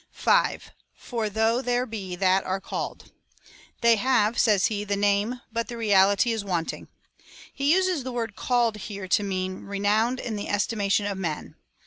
5. For though there be that are called. " They have," says he, " the name, but the reality is wanting." He uses the word called here, to mean — renowned in the estimation of men.